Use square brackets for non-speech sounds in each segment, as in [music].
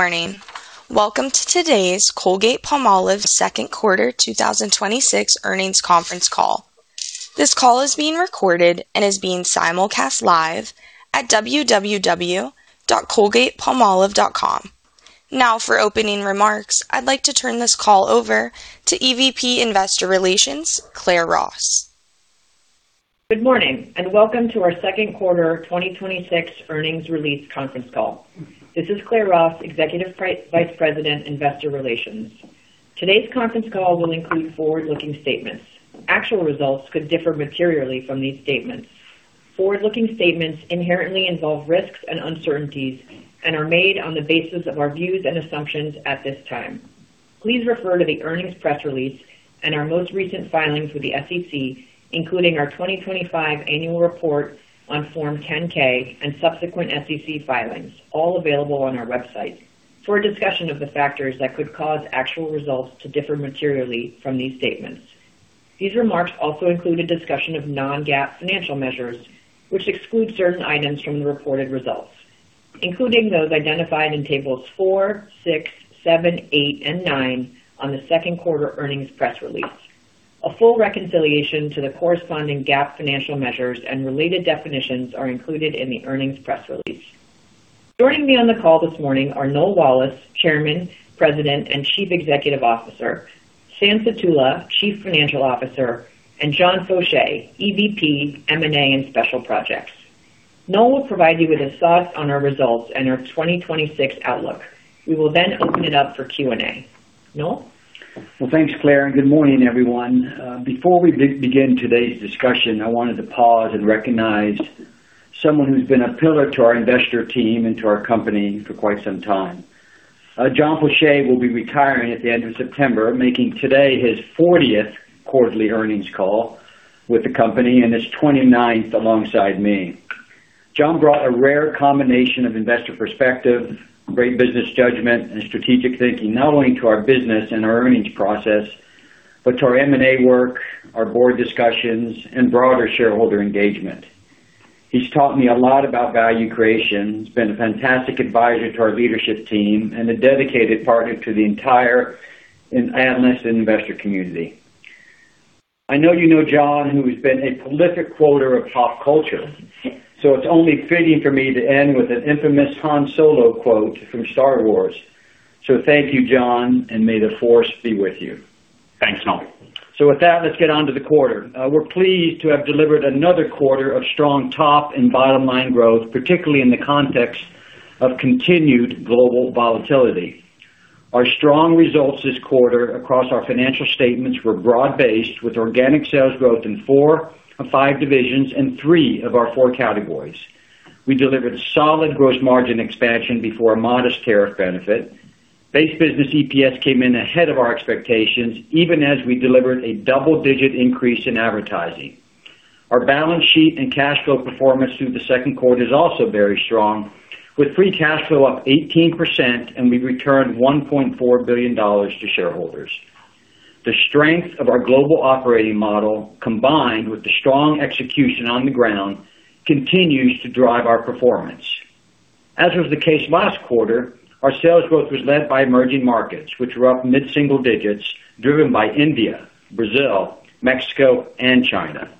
Good morning. Welcome to today's Colgate-Palmolive Second Quarter 2026 Earnings Conference Call. This call is being recorded and is being simulcast live at www.colgatepalmolive.com. For opening remarks, I'd like to turn this call over to EVP Investor Relations, Claire Ross. Good morning, welcome to our Second Quarter 2026 Earnings Release Conference Call. This is Claire Ross, Executive Vice President, Investor Relations. Today's conference call will include forward-looking statements. Actual results could differ materially from these statements. Forward-looking statements inherently involve risks and uncertainties and are made on the basis of our views and assumptions at this time. Please refer to the earnings press release and our most recent filings with the SEC, including our 2025 annual report on Form 10-K and subsequent SEC filings, all available on our website, for a discussion of the factors that could cause actual results to differ materially from these statements. These remarks also include a discussion of non-GAAP financial measures, which exclude certain items from the reported results, including those identified in tables four, six, seven, eight, and nine on the second quarter earnings press release. A full reconciliation to the corresponding GAAP financial measures and related definitions are included in the earnings press release. Joining me on the call this morning are Noel Wallace, Chairman, President, and Chief Executive Officer, Stan Sutula, Chief Financial Officer, and John Faucher, EVP, M&A and Special Projects. Noel will provide you with his thoughts on our results and our 2026 outlook. We will open it up for Q&A. Noel? Thanks, Claire, good morning, everyone. Before we begin today's discussion, I wanted to pause and recognize someone who's been a pillar to our investor team and to our company for quite some time. John Faucher will be retiring at the end of September, making today his 40th quarterly earnings call with the company and his 29th alongside me. John brought a rare combination of investor perspective, great business judgment, and strategic thinking, not only to our business and our earnings process, but to our M&A work, our board discussions, and broader shareholder engagement. He's taught me a lot about value creation. He's been a fantastic advisor to our leadership team and a dedicated partner to the entire analyst and investor community. I know you know John, who has been a prolific quoter of pop culture, it's only fitting for me to end with an infamous Han Solo quote from Star Wars. Thank you, John, and may the force be with you. Thanks, Noel. With that, let's get on to the quarter. We're pleased to have delivered another quarter of strong top and bottom-line growth, particularly in the context of continued global volatility. Our strong results this quarter across our financial statements were broad-based, with organic sales growth in four of five divisions and three of our four categories. We delivered solid gross margin expansion before a modest tariff benefit. Base business EPS came in ahead of our expectations, even as we delivered a double-digit increase in advertising. Our balance sheet and cash flow performance through the second quarter is also very strong, with free cash flow up 18%, and we returned $1.4 billion to shareholders. The strength of our global operating model, combined with the strong execution on the ground, continues to drive our performance. As was the case last quarter, our sales growth was led by emerging markets, which were up mid-single digits, driven by India, Brazil, Mexico, and China.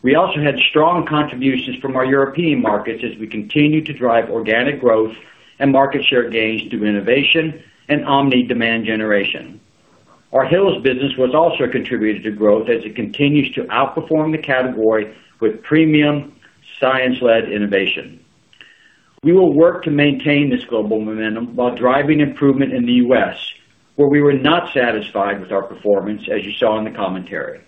We also had strong contributions from our European markets as we continue to drive organic growth and market share gains through innovation and omni-demand generation. Our Hill's business was also a contributor to growth as it continues to outperform the category with premium science-led innovation. We will work to maintain this global momentum while driving improvement in the U.S., where we were not satisfied with our performance, as you saw in the commentary.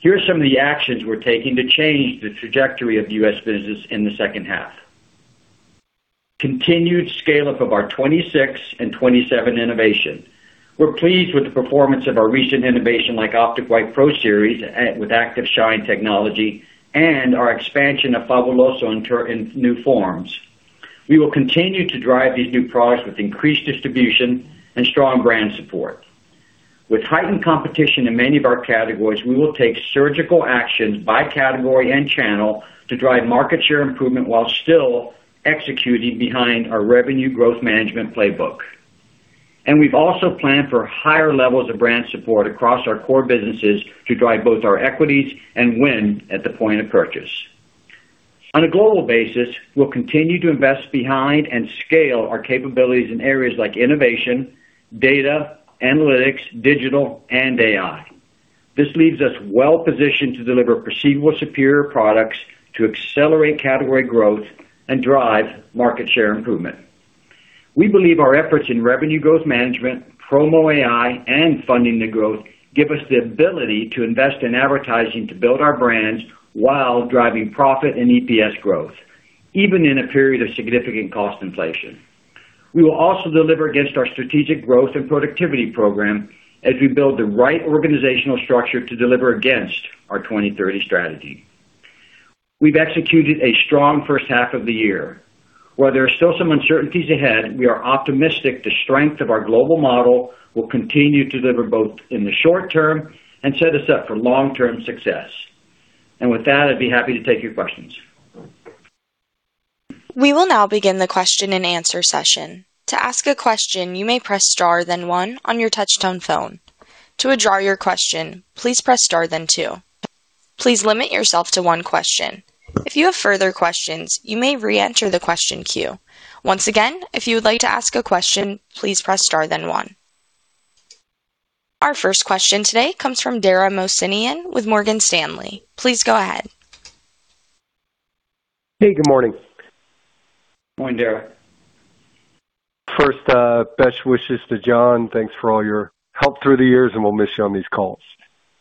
Here are some of the actions we're taking to change the trajectory of the U.S. business in the second half. Continued scale-up of our 2026 and 2027 innovation. We're pleased with the performance of our recent innovation like Optic White Pro Series with ActivShine technology and our expansion of Fabuloso in new forms. We will continue to drive these new products with increased distribution and strong brand support. With heightened competition in many of our categories, we will take surgical actions by category and channel to drive market share improvement while still executing behind our revenue growth management playbook. We've also planned for higher levels of brand support across our core businesses to drive both our equities and win at the point of purchase. On a global basis, we'll continue to invest behind and scale our capabilities in areas like innovation, data, analytics, digital, and AI. This leaves us well-positioned to deliver perceivable superior products to accelerate category growth and drive market share improvement. We believe our efforts in revenue growth management, promo AI, and funding the growth give us the ability to invest in advertising to build our brands while driving profit and EPS growth, even in a period of significant cost inflation. We will also deliver against our strategic growth and productivity program as we build the right organizational structure to deliver against our 2030 strategy. We've executed a strong first half of the year. While there are still some uncertainties ahead, we are optimistic the strength of our global model will continue to deliver both in the short term and set us up for long-term success. With that, I'd be happy to take your questions. We will now begin the question-and-answer session. To ask a question, you may press star then one on your touch-tone phone. To withdraw your question, please press star then two. Please limit yourself to one question. If you have further questions, you may re-enter the question queue. Once again, if you would like to ask a question, please press star then one. Our first question today comes from Dara Mohsenian with Morgan Stanley. Please go ahead. Hey, good morning. Morning, Dara. First, best wishes to John. Thanks for all your help through the years, we'll miss you on these calls.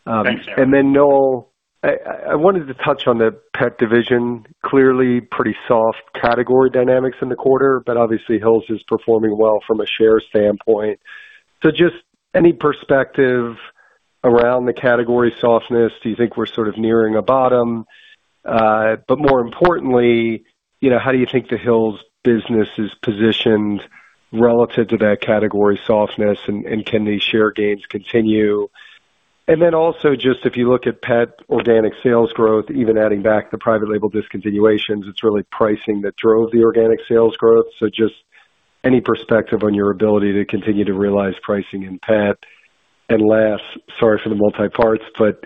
Thanks, Dara. Noel, I wanted to touch on the pet division. Clearly pretty soft category dynamics in the quarter, but obviously Hill's is performing well from a share standpoint. Just any perspective around the category softness, do you think we're sort of nearing a bottom? More importantly, how do you think the Hill's business is positioned relative to that category softness, and can these share gains continue? Also, just if you look at pet organic sales growth, even adding back the private label discontinuations, it's really pricing that drove the organic sales growth. Just any perspective on your ability to continue to realize pricing in pet. Last, sorry for the multi-parts, but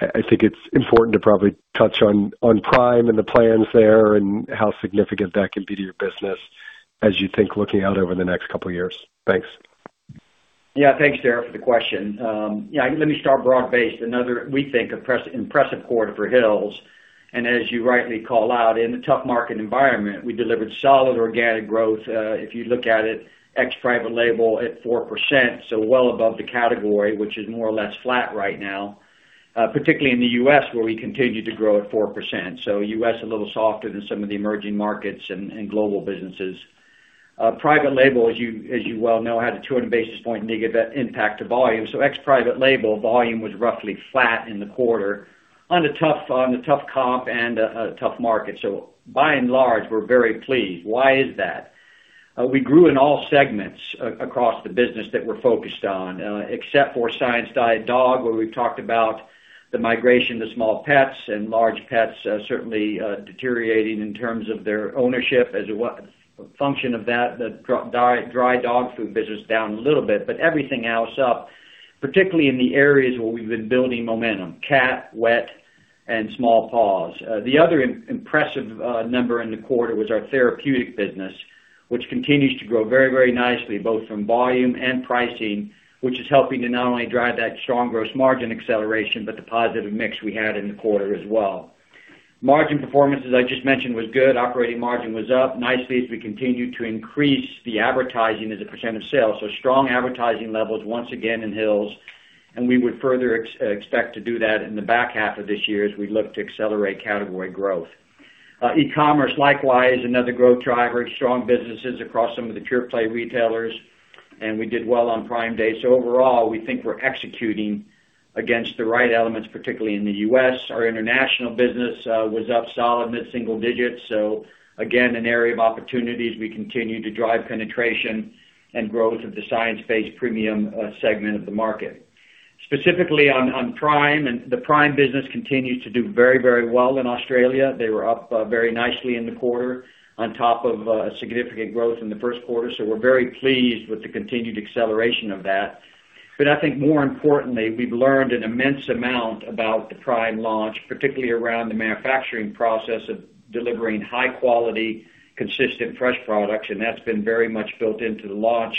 I think it's important to probably touch on Prime and the plans there and how significant that can be to your business as you think looking out over the next couple of years. Thanks. Thanks, Dara, for the question. Let me start broad-based. Another, we think, impressive quarter for Hill's, and as you rightly call out, in a tough market environment, we delivered solid organic growth. If you look at it, ex private label at 4%, well above the category, which is more or less flat right now, particularly in the U.S., where we continue to grow at 4%. U.S. a little softer than some of the emerging markets and global businesses. Private label, as you well know, had a 200 basis point negative impact to volume. Ex private label, volume was roughly flat in the quarter on a tough comp and a tough market. By and large, we're very pleased. Why is that? We grew in all segments across the business that we're focused on, except for Science Diet dog, where we've talked about the migration to small pets and large pets certainly deteriorating in terms of their ownership. As a function of that, the dry dog food business down a little bit, but everything else up, particularly in the areas where we've been building momentum, cat, wet, and small paws. The other impressive number in the quarter was our therapeutic business, which continues to grow very, very nicely, both from volume and pricing, which is helping to not only drive that strong gross margin acceleration, but the positive mix we had in the quarter as well. Margin performance, as I just mentioned, was good. Operating margin was up nicely as we continued to increase the advertising as a % of sales. Strong advertising levels once again in Hill's, and we would further expect to do that in the back half of this year as we look to accelerate category growth. E-commerce, likewise, another growth driver. Strong businesses across some of the pure play retailers, and we did well on Prime Day. Overall, we think we're executing against the right elements, particularly in the U.S. Our international business was up solid mid-single digits. Again, an area of opportunity as we continue to drive penetration and growth of the science-based premium segment of the market. Specifically on Prime, the Prime business continues to do very well in Australia. They were up very nicely in the quarter on top of a significant growth in the first quarter. We're very pleased with the continued acceleration of that. I think more importantly, we've learned an immense amount about the Prime launch, particularly around the manufacturing process of delivering high quality, consistent fresh products, and that's been very much built into the launch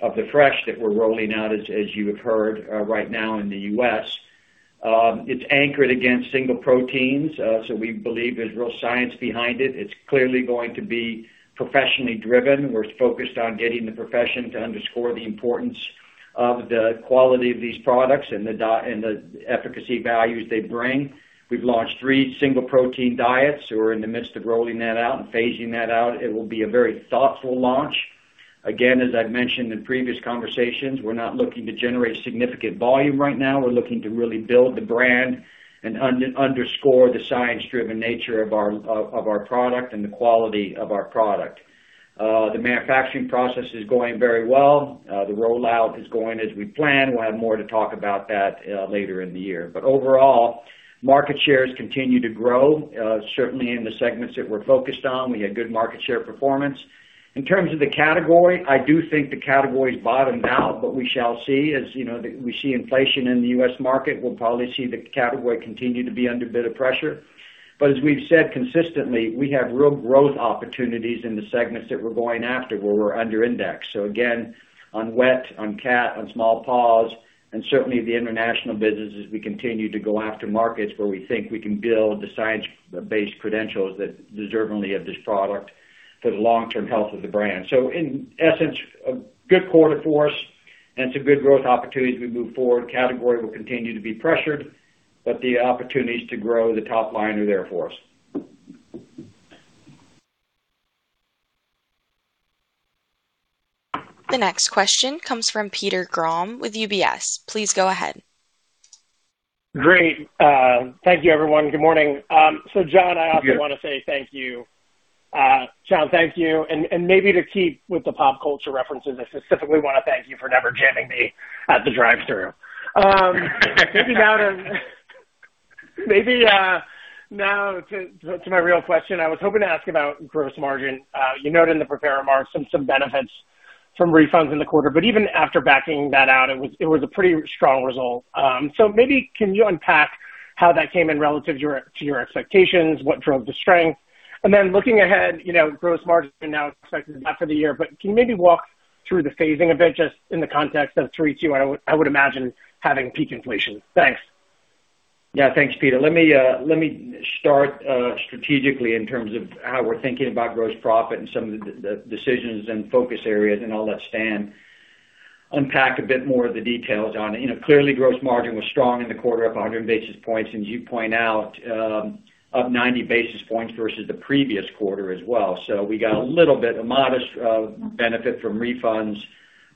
of the fresh that we're rolling out, as you have heard right now in the U.S. It's anchored against single proteins, so we believe there's real science behind it. It's clearly going to be professionally driven. We're focused on getting the profession to underscore the importance of the quality of these products and the efficacy values they bring. We've launched three single protein diets. We're in the midst of rolling that out and phasing that out. It will be a very thoughtful launch. Again, as I've mentioned in previous conversations, we're not looking to generate significant volume right now. We're looking to really build the brand and underscore the science-driven nature of our product and the quality of our product. The manufacturing process is going very well. The rollout is going as we planned. We'll have more to talk about that later in the year. Overall, market shares continue to grow. Certainly in the segments that we're focused on, we had good market share performance. In terms of the category, I do think the category's bottomed out, but we shall see. As we see inflation in the U.S. market, we'll probably see the category continue to be under a bit of pressure. As we've said consistently, we have real growth opportunities in the segments that we're going after where we're under index. Again, on wet, on cat, on small paws, and certainly the international businesses, we continue to go after markets where we think we can build the science-based credentials that deservingly of this product for the long-term health of the brand. In essence, a good quarter for us and some good growth opportunities as we move forward. Category will continue to be pressured, but the opportunities to grow the top line are there for us. The next question comes from Peter Grom with UBS. Please go ahead. Great. Thank you, everyone. Good morning. John, I also want to say thank you Stan, thank you. Maybe to keep with the pop culture references, I specifically want to thank you for never jamming me at the drive-through. Now to my real question. I was hoping to ask about gross margin. You noted in the prepared remarks some benefits from refunds in the quarter. Even after backing that out, it was a pretty strong result. Maybe can you unpack how that came in relative to your expectations? What drove the strength? Then looking ahead, gross margin now expected to be flat for the year, can you maybe walk through the phasing a bit, just in the context of three, two, I would imagine, having peak inflation. Thanks. Thanks, Peter. Let me start strategically in terms of how we're thinking about gross profit and some of the decisions and focus areas. I'll let Stan unpack a bit more of the details on it. Clearly, gross margin was strong in the quarter, up 100 basis points, and as you point out, up 90 basis points versus the previous quarter as well. We got a little bit, a modest benefit from refunds.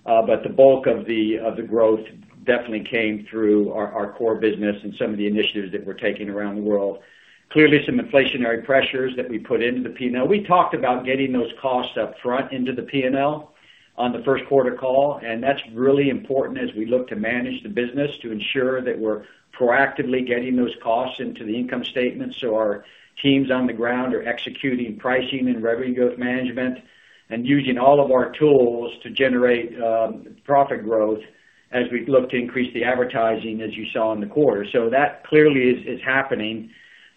The bulk of the growth definitely came through our core business and some of the initiatives that we're taking around the world. Clearly, some inflationary pressures that we put into the P&L. We talked about getting those costs up front into the P&L on the first quarter call, and that's really important as we look to manage the business to ensure that we're proactively getting those costs into the income statement. Our teams on the ground are executing pricing and revenue growth management and using all of our tools to generate profit growth as we look to increase the advertising, as you saw in the quarter. That clearly is happening.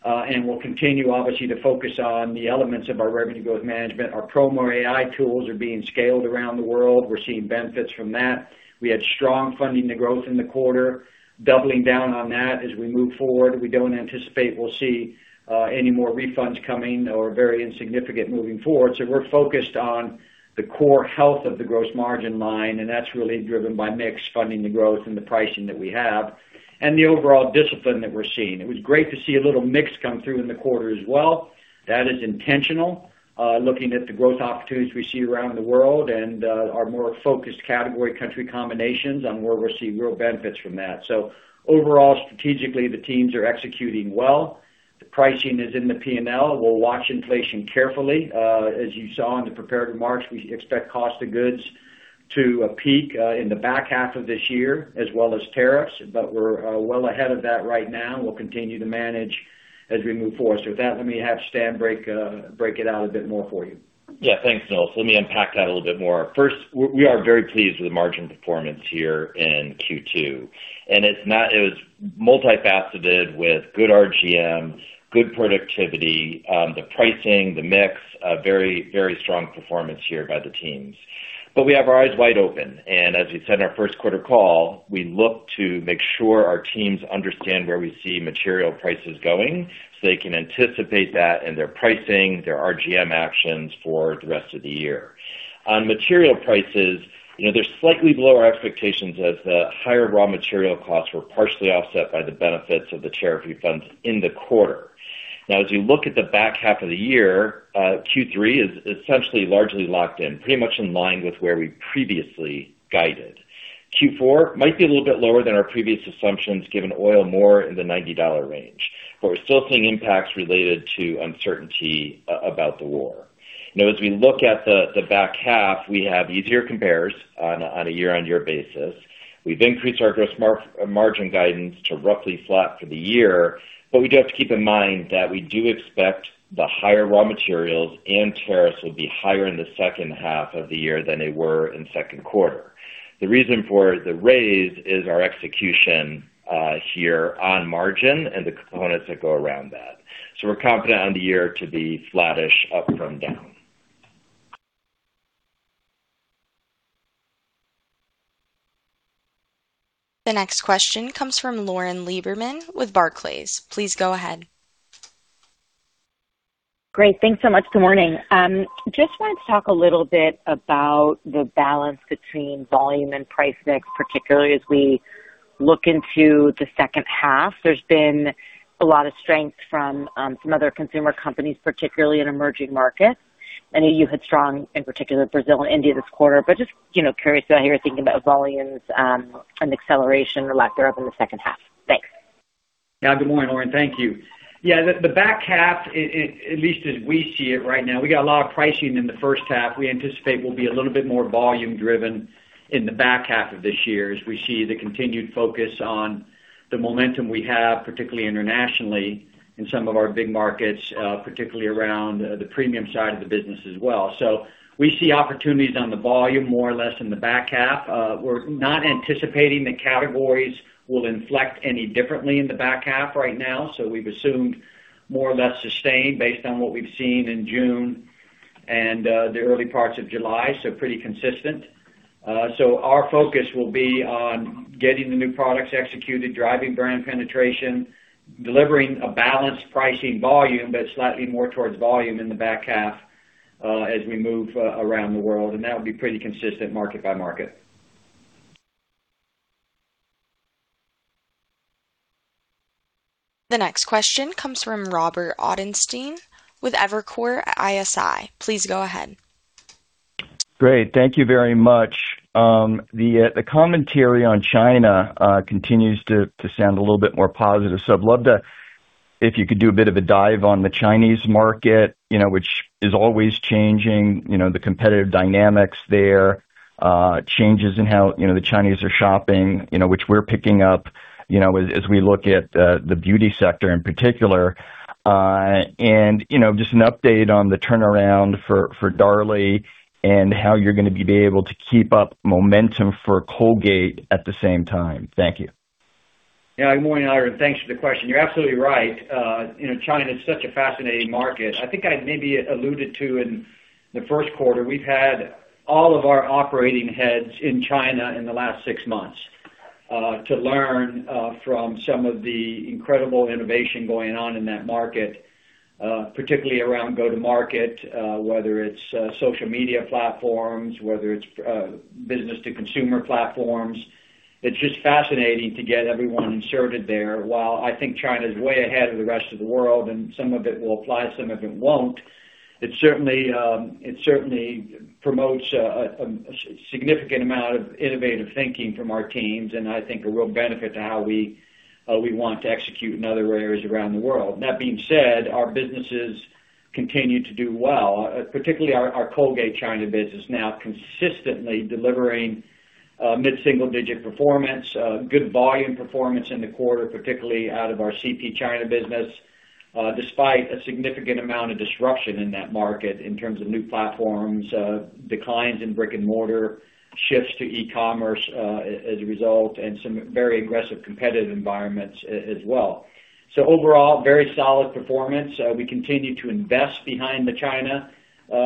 We'll continue, obviously, to focus on the elements of our revenue growth management. Our Promo AI tools are being scaled around the world. We're seeing benefits from that. We had strong funding to growth in the quarter, doubling down on that as we move forward. We don't anticipate we'll see any more refunds coming or very insignificant moving forward. We're focused on the core health of the gross margin line, and that's really driven by mix funding the growth and the pricing that we have and the overall discipline that we're seeing. It was great to see a little mix come through in the quarter as well. That is intentional. Looking at the growth opportunities we see around the world and our more focused category country combinations on where we're seeing real benefits from that. Overall, strategically, the teams are executing well. The pricing is in the P&L. We'll watch inflation carefully. As you saw in the prepared remarks, we expect cost of goods to peak in the back half of this year, as well as tariffs. We're well ahead of that right now, and we'll continue to manage as we move forward. With that, let me have Stan break it out a bit more for you. Yeah, thanks, Noel. Let me unpack that a little bit more. First, we are very pleased with the margin performance here in Q2, and it was multifaceted with good RGM, good productivity, the pricing, the mix, a very strong performance here by the teams. We have our eyes wide open, and as we said in our first quarter call, we look to make sure our teams understand where we see material prices going so they can anticipate that in their pricing, their RGM actions for the rest of the year. On material prices, they're slightly below our expectations as the higher raw material costs were partially offset by the benefits of the tariff refunds in the quarter. As you look at the back half of the year, Q3 is essentially largely locked in, pretty much in line with where we previously guided. Q4 might be a little bit lower than our previous assumptions, given oil more in the $90 range. We're still seeing impacts related to uncertainty about the war. As we look at the back half, we have easier compares on a year-on-year basis. We've increased our gross margin guidance to roughly flat for the year. We do have to keep in mind that we do expect the higher raw materials and tariffs will be higher in the second half of the year than they were in second quarter. The reason for the raise is our execution here on margin and the components that go around that. We're confident on the year to be flattish up from down. The next question comes from Lauren Lieberman with Barclays. Please go ahead. Great. Thanks so much. Good morning. Just wanted to talk a little bit about the balance between volume and price mix, particularly as we look into the second half. There's been a lot of strength from some other consumer companies, particularly in emerging markets. I know you had strong, in particular, Brazil and India this quarter. Just curious about how you're thinking about volumes and acceleration or lack thereof in the second half. Thanks. Good morning, Lauren. Thank you. The back half, at least as we see it right now, we got a lot of pricing in the first half. We anticipate we'll be a little bit more volume driven in the back half of this year as we see the continued focus on the momentum we have, particularly internationally in some of our big markets, particularly around the premium side of the business as well. We see opportunities on the volume more or less in the back half. We're not anticipating the categories will inflect any differently in the back half right now. We've assumed more or less sustained based on what we've seen in June and the early parts of July. Pretty consistent. Our focus will be on getting the new products executed, driving brand penetration, delivering a balanced pricing volume, slightly more towards volume in the back half as we move around the world, that will be pretty consistent market by market. The next question comes from Robert Ottenstein with Evercore ISI. Please go ahead. Great. Thank you very much. The commentary on China continues to sound a little bit more positive. I'd love to, if you could do a bit of a dive on the Chinese market, which is always changing, the competitive dynamics there, changes in how the Chinese are shopping, which we're picking up as we look at the beauty sector in particular. Just an update on the turnaround for Darlie and how you're going to be able to keep up momentum for Colgate at the same time. Thank you. Good morning, Rob, and thanks for the question. You're absolutely right. China is such a fascinating market. I think I maybe alluded to in the first quarter, we've had all of our operating heads in China in the last six months, to learn from some of the incredible innovation going on in that market. Particularly around go-to-market, whether it's social media platforms, whether it's business to consumer platforms. It's just fascinating to get everyone inserted there. While I think China's way ahead of the rest of the world, and some of it will apply, some of it won't, it certainly promotes a significant amount of innovative thinking from our teams, and I think a real benefit to how we want to execute in other areas around the world. That being said, our businesses continue to do well, particularly our Colgate China business now consistently delivering mid-single digit performance, good volume performance in the quarter, particularly out of our CP China business. Despite a significant amount of disruption in that market in terms of new platforms, declines in brick and mortar, shifts to e-commerce, as a result, and some very aggressive competitive environments as well. Overall, very solid performance. We continue to invest behind the China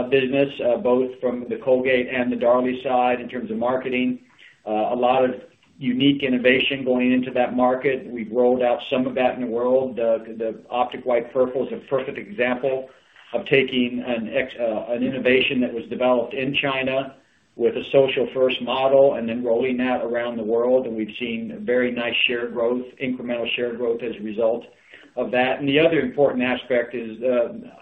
business, both from the Colgate and the Darlie side in terms of marketing. A lot of unique innovation going into that market. We've rolled out some of that in the world. The Optic White Purple is a perfect example of taking an innovation that was developed in China with a social-first model and then rolling that around the world. We've seen very nice incremental shared growth as a result of that. The other important aspect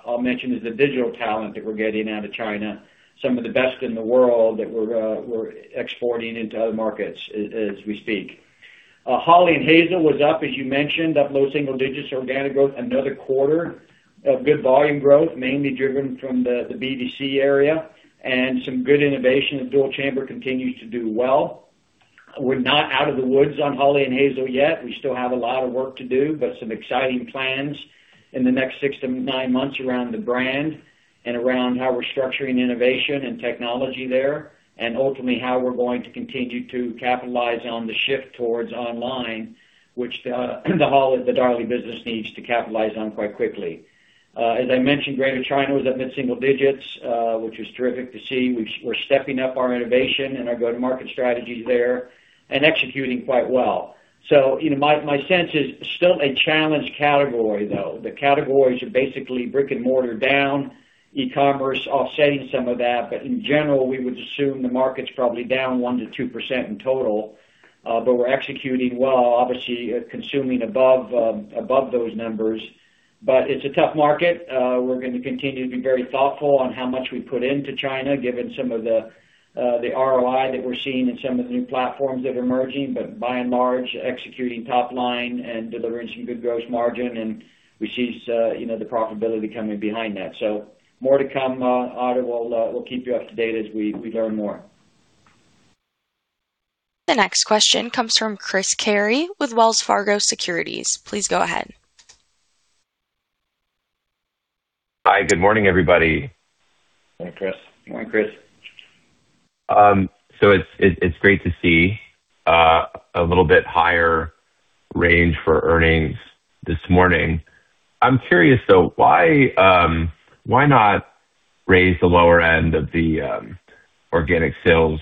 I'll mention is the digital talent that we're getting out of China. Some of the best in the world that we're exporting into other markets as we speak. Hawley & Hazel was up, as you mentioned, up low single digits organic growth, another quarter of good volume growth, mainly driven from the B2C area and some good innovation at dual chamber continues to do well. We're not out of the woods on Hawley & Hazel yet. We still have a lot of work to do, but some exciting plans in the next six to nine months around the brand and around how we're structuring innovation and technology there, and ultimately how we're going to continue to capitalize on the shift towards online, which the Darlie business needs to capitalize on quite quickly. As I mentioned, Greater China was up mid-single digits, which was terrific to see. We're stepping up our innovation and our go-to-market strategies there and executing quite well. My sense is still a challenged category, though. The categories are basically brick and mortar down, e-commerce offsetting some of that. In general, we would assume the market's probably down 1%-2% in total. We're executing well, obviously consuming above those numbers. It's a tough market. We're going to continue to be very thoughtful on how much we put into China, given some of the ROI that we're seeing in some of the new platforms that are emerging. By and large, executing top line and delivering some good gross margin, and we see the profitability coming behind that. More to come. [inaudible] We'll keep you up to date as we learn more. The next question comes from Chris Carey with Wells Fargo Securities. Please go ahead. Hi. Good morning, everybody. Hi, Chris. Good morning, Chris. It's great to see a little bit higher range for earnings this morning. I'm curious, though, why not raise the lower end of the organic sales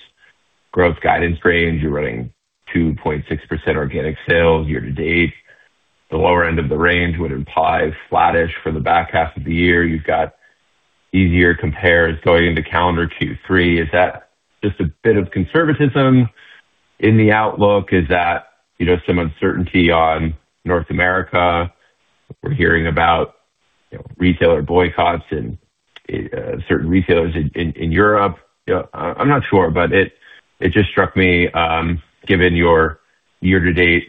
growth guidance range? You're running 2.6% organic sales year-to-date. The lower end of the range would imply flattish for the back half of the year. You've got easier compares going into calendar Q3. Is that just a bit of conservatism in the outlook? Is that some uncertainty on North America? We're hearing about retailer boycotts and certain retailers in Europe. I'm not sure, but it just struck me, given your year-to-date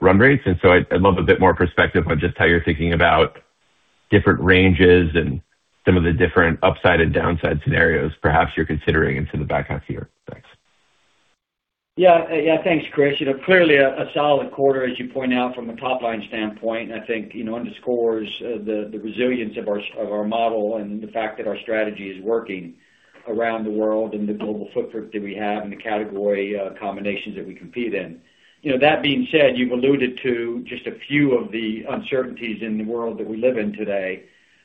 run rates. I'd love a bit more perspective on just how you're thinking about different ranges and some of the different upside and downside scenarios perhaps you're considering into the back half of the year. Thanks. Yeah. Thanks, Chris. Clearly a solid quarter, as you point out, from a top-line standpoint. I think underscores the resilience of our model and the fact that our strategy is working around the world. The global footprint that we have and the category combinations that we compete in. That being said, you've alluded to just a few of the uncertainties in the world that we live in today.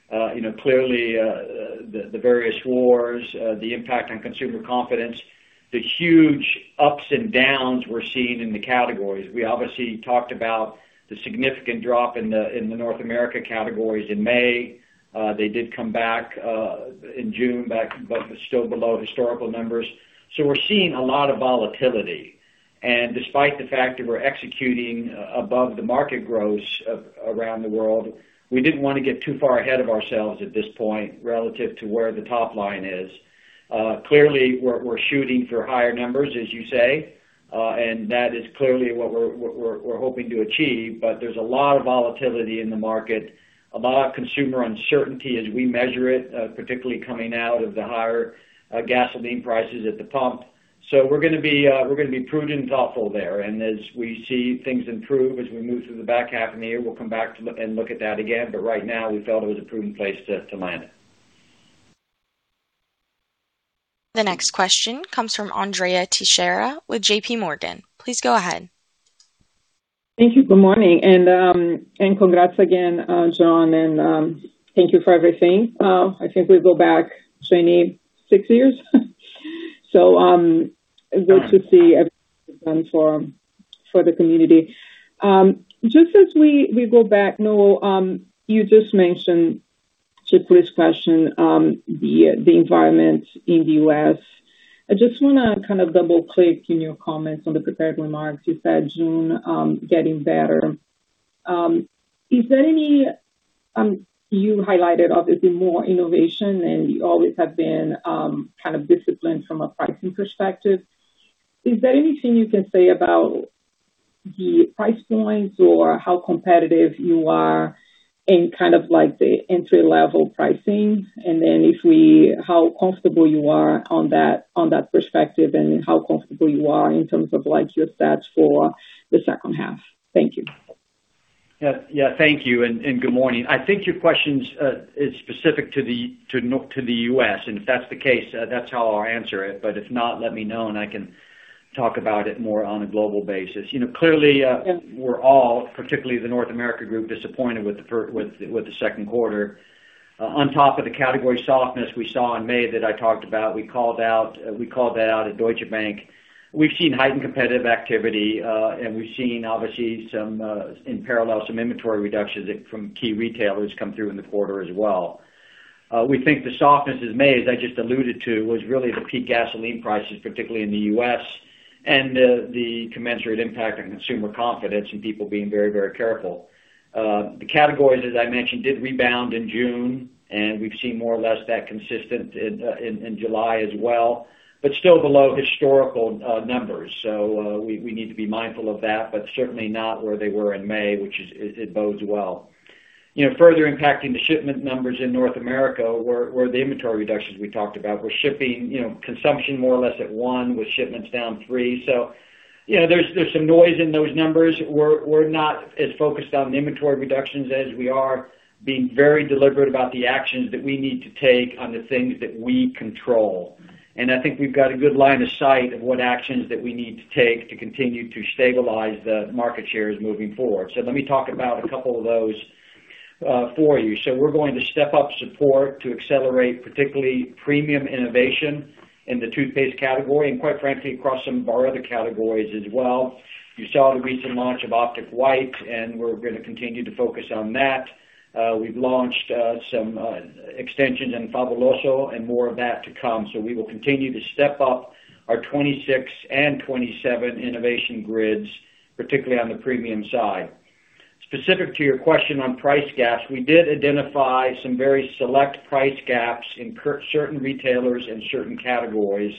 Clearly, the various wars, the impact on consumer confidence, the huge ups and downs we're seeing in the categories. We obviously talked about the significant drop in the North America categories in May. They did come back in June, but still below historical numbers. We're seeing a lot of volatility. Despite the fact that we're executing above the market growth around the world, we didn't want to get too far ahead of ourselves at this point relative to where the top-line is. Clearly, we're shooting for higher numbers, as you say. That is clearly what we're hoping to achieve. There's a lot of volatility in the market, a lot of consumer uncertainty as we measure it, particularly coming out of the higher gasoline prices at the pump. We're going to be prudent and thoughtful there. As we see things improve, as we move through the back half of the year, we'll come back and look at that again. Right now, we felt it was a prudent place to land it. The next question comes from Andrea Teixeira with JPMorgan. Please go ahead. Thank you. Good morning, and congrats again, John, and thank you for everything. I think we go back 26 years? Good to see everything you've done for the community. Just as we go back now, you just mentioned to Chris' question, the environment in the U.S. I just want to kind of double-click in your comments on the prepared remarks. You said June getting better. You highlighted, obviously, more innovation, and you always have been disciplined from a pricing perspective. Is there anything you can say about the price points or how competitive you are in the entry-level pricing? How comfortable you are on that perspective, and how comfortable you are in terms of your stats for the second half? Thank you. Yeah. Thank you, good morning. I think your question is specific to the U.S., if that's the case, that's how I'll answer it. If not, let me know, I can talk about it more on a global basis. Clearly, we're all, particularly the North America group, disappointed with the second quarter. On top of the category softness we saw in May that I talked about, we called that out at Deutsche Bank. We've seen heightened competitive activity, we've seen, obviously, in parallel, some inventory reductions from key retailers come through in the quarter as well. We think the softness in May, as I just alluded to, was really the peak gasoline prices, particularly in the U.S., the commensurate impact on consumer confidence and people being very careful. The categories, as I mentioned, did rebound in June, we've seen more or less that consistent in July as well, still below historical numbers. We need to be mindful of that, certainly not where they were in May, which it bodes well. Further impacting the shipment numbers in North America were the inventory reductions we talked about, with shipping consumption more or less at one, with shipments down three. There's some noise in those numbers. We're not as focused on the inventory reductions as we are being very deliberate about the actions that we need to take on the things that we control. I think we've got a good line of sight of what actions that we need to take to continue to stabilize the market shares moving forward. Let me talk about a couple of those for you. We're going to step up support to accelerate, particularly premium innovation in the toothpaste category, quite frankly, across some of our other categories as well. You saw the recent launch of Optic White, we're going to continue to focus on that. We've launched some extensions in Fabuloso, more of that to come. We will continue to step up our 2026 and 2027 innovation grids, particularly on the premium side. Specific to your question on price gaps, we did identify some very select price gaps in certain retailers and certain categories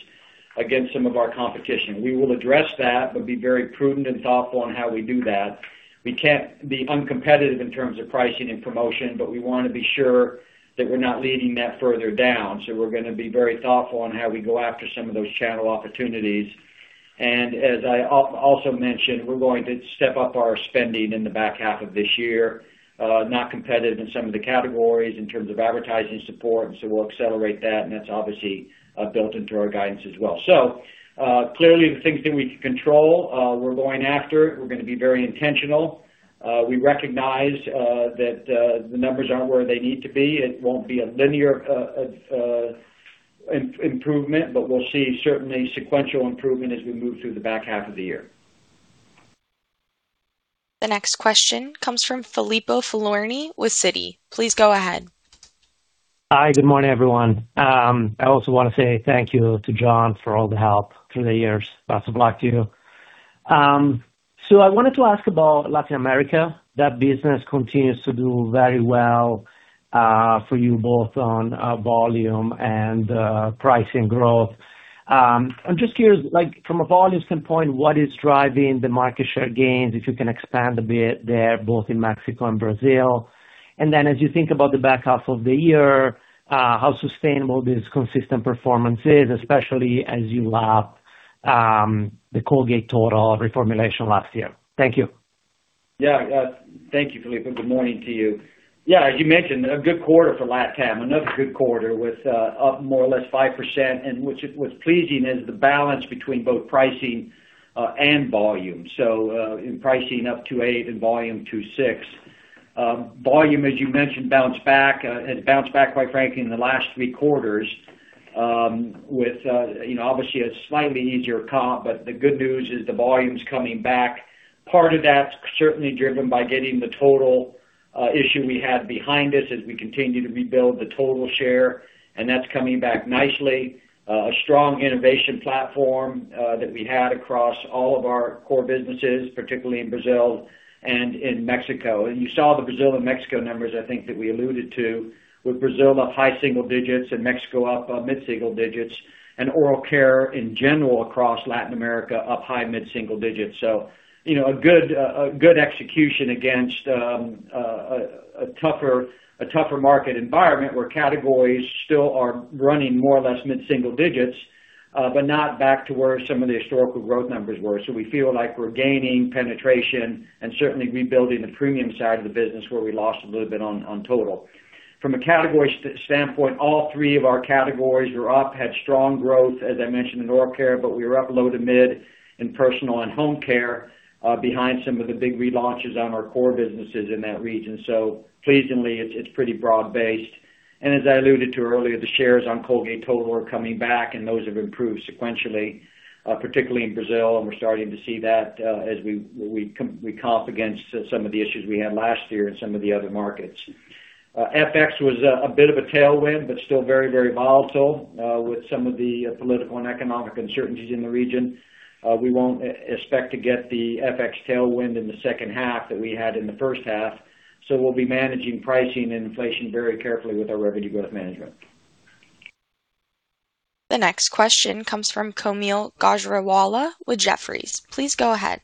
against some of our competition. We will address that, be very prudent and thoughtful on how we do that. We can't be uncompetitive in terms of pricing and promotion, we want to be sure that we're not leading that further down. We're going to be very thoughtful on how we go after some of those channel opportunities. As I also mentioned, we're going to step up our spending in the back half of this year. Not competitive in some of the categories in terms of advertising support, we'll accelerate that, and that's obviously built into our guidance as well. Clearly the things that we can control, we're going after. We're going to be very intentional. We recognize that the numbers aren't where they need to be. It won't be a linear improvement, but we'll see certainly sequential improvement as we move through the back half of the year. The next question comes from Filippo Falorni with Citi. Please go ahead. Hi. Good morning, everyone. I also want to say thank you to John for all the help through the years. Lots of luck to you. I wanted to ask about Latin America. That business continues to do very well for you both on volume and pricing growth. I'm just curious, from a volume standpoint, what is driving the market share gains, if you can expand a bit there, both in Mexico and Brazil? Then as you think about the back half of the year, how sustainable this consistent performance is, especially as you lap the Colgate Total reformulation last year. Thank you. Thank you, Filippo. Good morning to you. As you mentioned, a good quarter for LatAm, another good quarter with up more or less 5%, what's pleasing is the balance between both pricing and volume. In pricing up 2.8% and volume 2.6%. Volume, as you mentioned, bounced back, it bounced back quite frankly in the last three quarters. Obviously, a slightly easier comp, but the good news is the volume's coming back. Part of that's certainly driven by getting the Total issue we had behind us as we continue to rebuild the Total share, and that's coming back nicely. A strong innovation platform that we had across all of our core businesses, particularly in Brazil and in Mexico. You saw the Brazil and Mexico numbers, I think that we alluded to, with Brazil up high single digits and Mexico up mid-single digits, and oral care in general across Latin America up high mid-single digits. A good execution against a tougher market environment where categories still are running more or less mid-single digits, but not back to where some of the historical growth numbers were. We feel like we're gaining penetration and certainly rebuilding the premium side of the business where we lost a little bit on Colgate Total. From a category standpoint, all three of our categories were up, had strong growth, as I mentioned, in oral care, but we were up low to mid in personal and home care, behind some of the big relaunches on our core businesses in that region. Pleasingly, it's pretty broad-based. As I alluded to earlier, the shares on Colgate Total are coming back, and those have improved sequentially, particularly in Brazil. We're starting to see that as we comp against some of the issues we had last year in some of the other markets. FX was a bit of a tailwind, but still very volatile. With some of the political and economic uncertainties in the region, we won't expect to get the FX tailwind in the second half that we had in the first half. We'll be managing pricing and inflation very carefully with our revenue growth management. The next question comes from Kaumil Gajrawala with Jefferies. Please go ahead.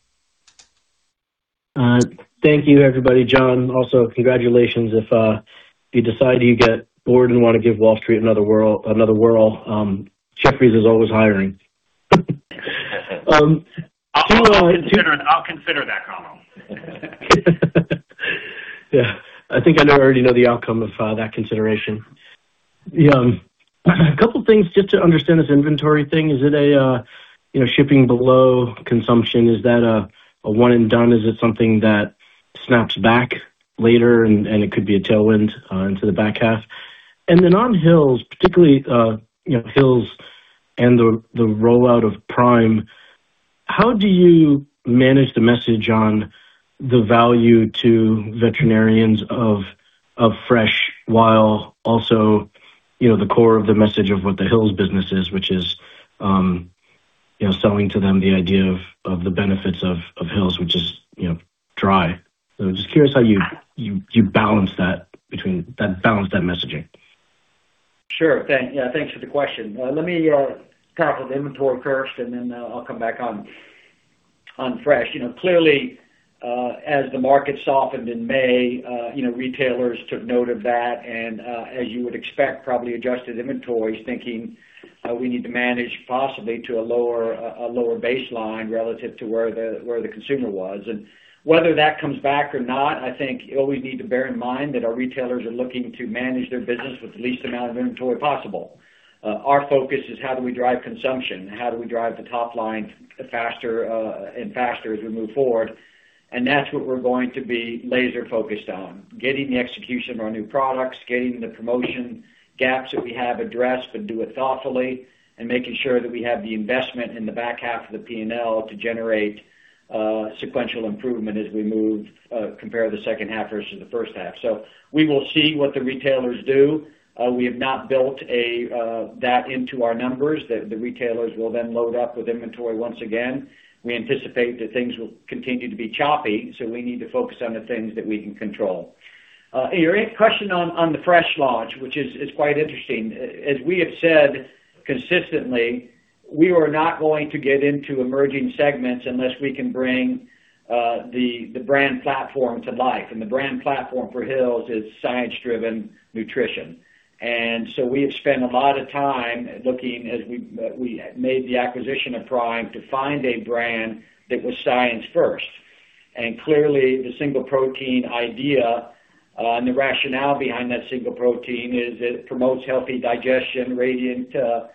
Thank you, everybody. John, also congratulations. If you decide you get bored and want to give Wall Street another whirl, Jefferies is always hiring. I'll consider that, Kaumil. Yeah, I think I already know the outcome of that consideration. A couple of things just to understand this inventory thing. Is it a shipping below consumption? Is that a one and done? Is it something that snaps back later, it could be a tailwind into the back half? On Hill's, particularly Hill's and the rollout of Prime, how do you manage the message on the value to veterinarians of fresh, while also the core of the message of what the Hill's business is, which is selling to them the idea of the benefits of Hill's, which is dry? Just curious how you balance that messaging. Sure. Yeah, thanks for the question. Let me talk with inventory first. Then I'll come back on Fresh. Clearly, as the market softened in May, retailers took note of that, as you would expect, probably adjusted inventories, thinking we need to manage possibly to a lower baseline relative to where the consumer was. Whether that comes back or not, I think we always need to bear in mind that our retailers are looking to manage their business with the least amount of inventory possible. Our focus is how do we drive consumption, how do we drive the top line faster as we move forward, that's what we're going to be laser-focused on. Getting the execution of our new products, getting the promotion gaps that we have addressed, but do it thoughtfully, making sure that we have the investment in the back half of the P&L to generate sequential improvement as we move, compare the second half versus the first half. We will see what the retailers do. We have not built that into our numbers, that the retailers will then load up with inventory once again. We anticipate that things will continue to be choppy, we need to focus on the things that we can control. Your question on the Fresh launch, which is quite interesting. As we have said consistently, we are not going to get into emerging segments unless we can bring the brand platform to life. The brand platform for Hill's is science-driven nutrition. We have spent a lot of time looking, as we made the acquisition of Prime, to find a brand that was science first. Clearly, the single protein idea and the rationale behind that single protein is that it promotes healthy digestion, radiant coats,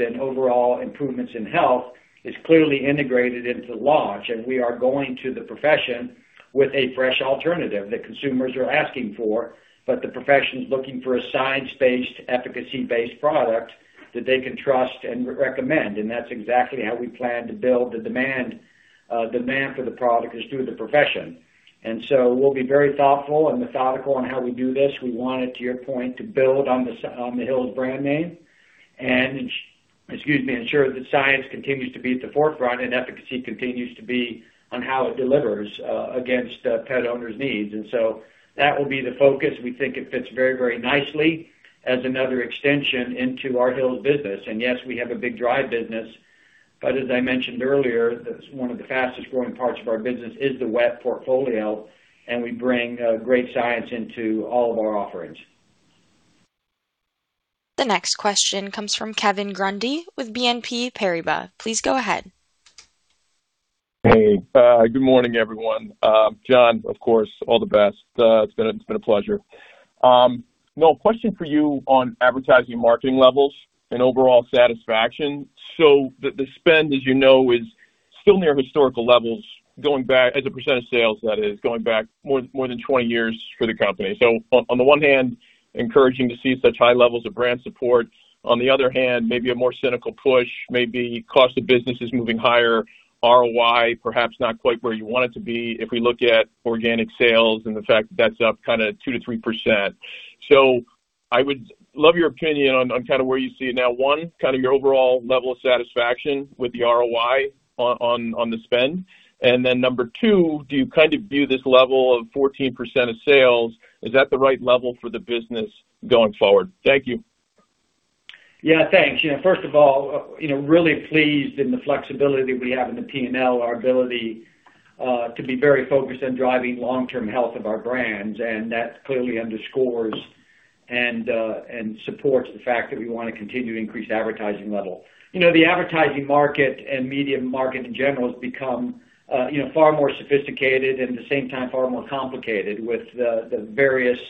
and overall improvements in health, is clearly integrated into the launch. We are going to the profession with a fresh alternative that consumers are asking for, the profession's looking for a science-based, efficacy-based product that they can trust and recommend, and that's exactly how we plan to build the demand for the product is through the profession. We'll be very thoughtful and methodical on how we do this. We want it, to your point, to build on the Hill's brand name and ensure that science continues to be at the forefront and efficacy continues to be on how it delivers against pet owners' needs. That will be the focus. We think it fits very nicely as another extension into our Hill's business. Yes, we have a big dry business, but as I mentioned earlier, one of the fastest growing parts of our business is the wet portfolio, we bring great science into all of our offerings. The next question comes from Kevin Grundy with BNP Paribas. Please go ahead. Hey, good morning, everyone. John, of course, all the best. It's been a pleasure. Well, question for you on advertising marketing levels and overall satisfaction. The spend, as you know, is still near historical levels as a percent of sales, that is, going back more than 20 years for the company. On the one hand, encouraging to see such high levels of brand support. On the other hand, maybe a more cynical push, maybe cost of business is moving higher, ROI, perhaps not quite where you want it to be if we look at organic sales and the fact that's up 2% to 3%. I would love your opinion on where you see it now. One, your overall level of satisfaction with the ROI on the spend. Do you view this level of 14% of sales, is that the right level for the business going forward? Thank you. Yeah, thanks. First of all, really pleased in the flexibility we have in the P&L, our ability to be very focused on driving long-term health of our brands, that clearly underscores and supports the fact that we want to continue to increase advertising level. The advertising market and media market, in general, has become far more sophisticated, at the same time, far more complicated with the various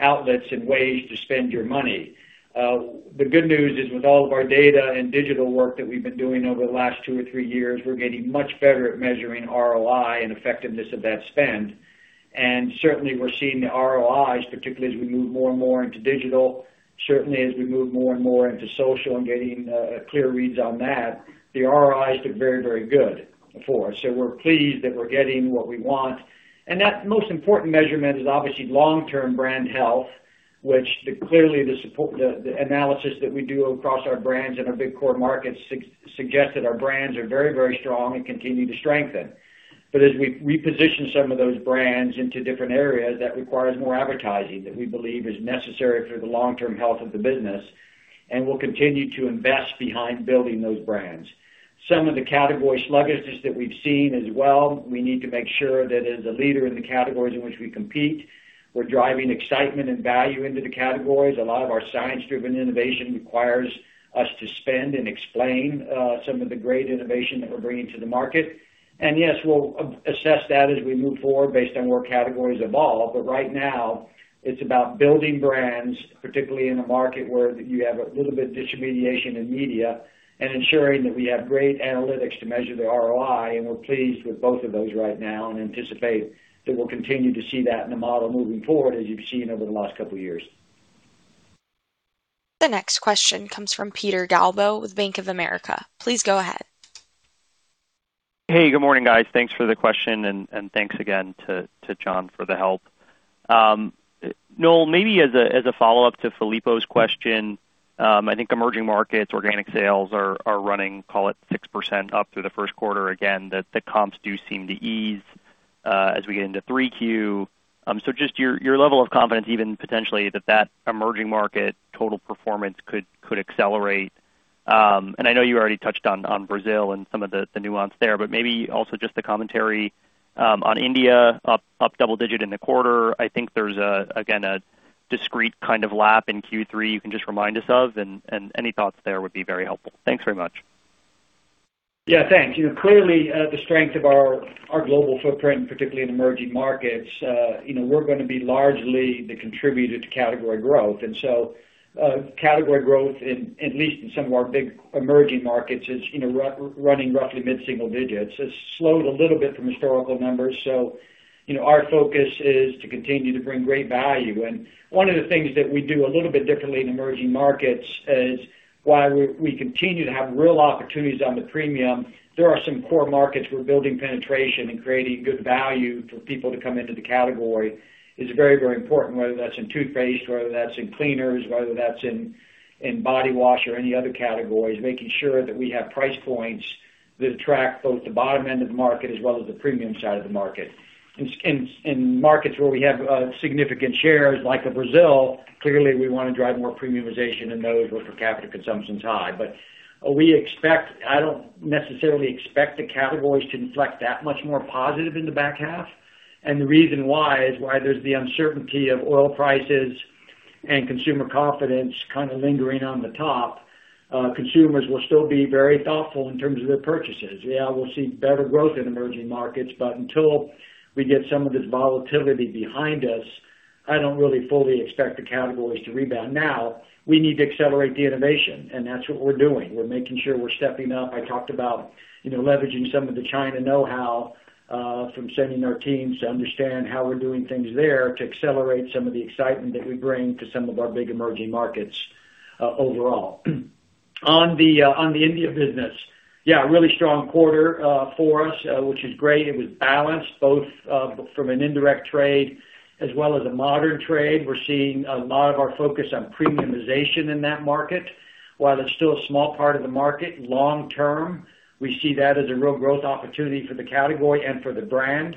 outlets and ways to spend your money. The good news is, with all of our data and digital work that we've been doing over the last two or three years, we're getting much better at measuring ROI and effectiveness of that spend. Certainly, we're seeing the ROIs, particularly as we move more and more into digital. Certainly, as we move more and more into social and getting clear reads on that, the ROIs look very, very good for us. We're pleased that we're getting what we want. That most important measurement is obviously long-term brand health, which clearly the analysis that we do across our brands in our big core markets suggest that our brands are very, very strong and continue to strengthen. As we position some of those brands into different areas, that requires more advertising that we believe is necessary for the long-term health of the business, and we'll continue to invest behind building those brands. Some of the category sluggishness that we've seen as well, we need to make sure that as a leader in the categories in which we compete, we're driving excitement and value into the categories. A lot of our science-driven innovation requires us to spend and explain some of the great innovation that we're bringing to the market. Yes, we'll assess that as we move forward based on where categories evolve. Right now, it's about building brands, particularly in a market where you have a little bit of disintermediation in media, and ensuring that we have great analytics to measure the ROI, and we're pleased with both of those right now and anticipate that we'll continue to see that in the model moving forward, as you've seen over the last couple of years. The next question comes from Peter Galbo with Bank of America. Please go ahead. Hey, good morning, guys. Thanks for the question, and thanks again to John for the help. Noel, maybe as a follow-up to Filippo's question, I think emerging markets, organic sales are running, call it 6%, up through the first quarter. Just your level of confidence even potentially that emerging market total performance could accelerate. I know you already touched on Brazil and some of the nuance there, but maybe also just the commentary on India up double digit in the quarter. I think there's, again, a discrete kind of lap in 3Q you can just remind us of, and any thoughts there would be very helpful. Thanks very much. Yeah, thanks. Clearly, the strength of our global footprint, particularly in emerging markets, we're going to be largely the contributor to category growth. Category growth, at least in some of our big emerging markets, is running roughly mid-single digits. It's slowed a little bit from historical numbers. Our focus is to continue to bring great value. One of the things that we do a little bit differently in emerging markets is while we continue to have real opportunities on the premium, there are some core markets we're building penetration and creating good value for people to come into the category is very, very important, whether that's in toothpaste, whether that's in cleaners, whether that's in body wash or any other categories, making sure that we have price points that attract both the bottom end of the market as well as the premium side of the market. In markets where we have significant shares, like a Brazil, clearly, we want to drive more premiumization in those where per capita consumption is high. I don't necessarily expect the categories to inflect that much more positive in the back half, and the reason why is while there's the uncertainty of oil prices and consumer confidence kind of lingering on the top, consumers will still be very thoughtful in terms of their purchases. Yeah, we'll see better growth in emerging markets, until we get some of this volatility behind us, I don't really fully expect the categories to rebound. We need to accelerate the innovation, that's what we're doing. We're making sure we're stepping up. I talked about leveraging some of the China know-how from sending our teams to understand how we're doing things there to accelerate some of the excitement that we bring to some of our big emerging markets overall. On the India business, yeah, a really strong quarter for us, which is great. It was balanced both from an indirect trade as well as a modern trade. We're seeing a lot of our focus on premiumization in that market. While it's still a small part of the market, long term, we see that as a real growth opportunity for the category and for the brand.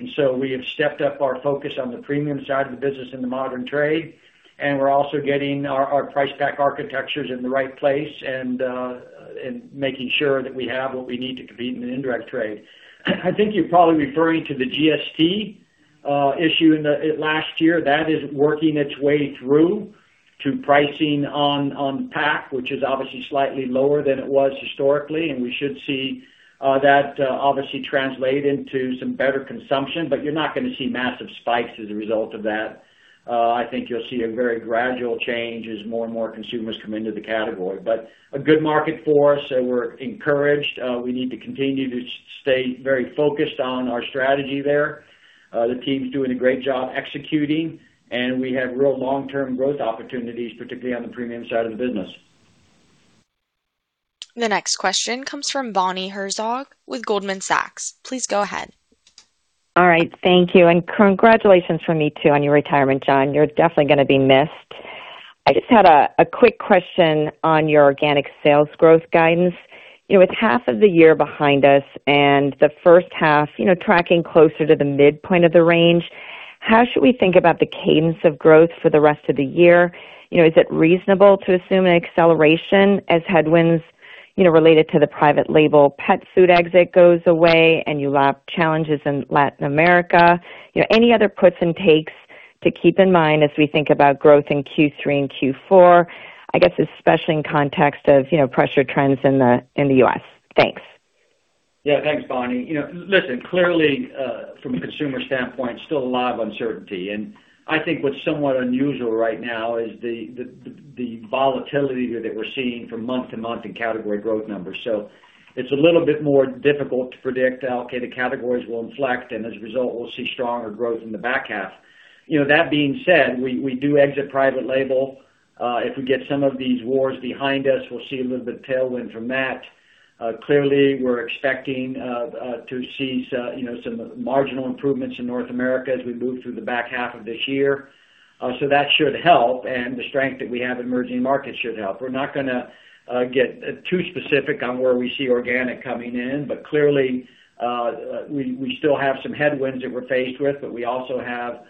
We have stepped up our focus on the premium side of the business in the modern trade, and we're also getting our price pack architectures in the right place and making sure that we have what we need to compete in the indirect trade. I think you're probably referring to the GST issue last year. That is working its way through. To pricing on pack, which is obviously slightly lower than it was historically, and we should see that obviously translate into some better consumption. You're not going to see massive spikes as a result of that. I think you'll see a very gradual change as more and more consumers come into the category. A good market for us, and we're encouraged. We need to continue to stay very focused on our strategy there. The team's doing a great job executing, and we have real long-term growth opportunities, particularly on the premium side of the business. The next question comes from Bonnie Herzog with Goldman Sachs. Please go ahead. All right. Thank you, and congratulations from me, too, on your retirement, John. You're definitely gonna be missed. I just had a quick question on your organic sales growth guidance. With half of the year behind us and the first half tracking closer to the midpoint of the range, how should we think about the cadence of growth for the rest of the year? Is it reasonable to assume an acceleration as headwinds related to the private label pet food exit goes away and you lap challenges in Latin America? Any other puts and takes to keep in mind as we think about growth in Q3 and Q4, I guess, especially in context of pressure trends in the U.S. Thanks. Thanks, Bonnie. Listen, clearly, from a consumer standpoint, still a lot of uncertainty. I think what's somewhat unusual right now is the volatility that we're seeing from month to month in category growth numbers. It's a little bit more difficult to predict, okay, the categories will inflect, and as a result, we'll see stronger growth in the back half. That being said, we do exit private label. If we get some of these wars behind us, we'll see a little bit of tailwind from that. Clearly, we're expecting to see some marginal improvements in North America as we move through the back half of this year. That should help, and the strength that we have in emerging markets should help. We're not gonna get too specific on where we see organic coming in, but clearly, we still have some headwinds that we're faced with, but we also have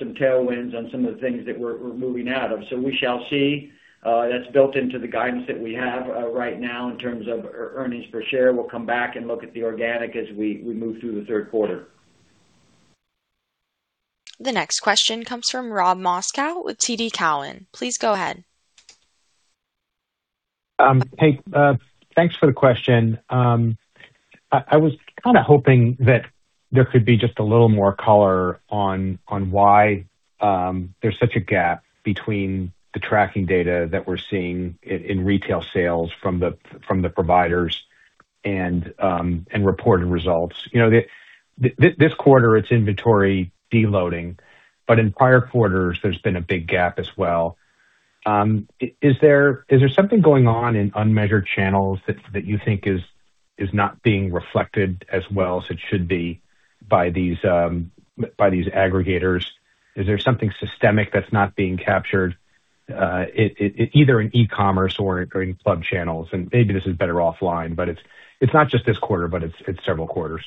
some tailwinds on some of the things that we're moving out of. We shall see. That's built into the guidance that we have right now in terms of earnings per share. We'll come back and look at the organic as we move through the third quarter. The next question comes from Rob Moskow with TD Cowen. Please go ahead. Hey, thanks for the question. I was kind of hoping that there could be just a little more color on why there's such a gap between the tracking data that we're seeing in retail sales from the providers and reported results. This quarter, it's inventory deloading, but in prior quarters, there's been a big gap as well. Is there something going on in unmeasured channels that you think is not being reflected as well as it should be by these aggregators? Is there something systemic that's not being captured, either in e-commerce or in club channels? Maybe this is better offline, but it's not just this quarter, but it's several quarters.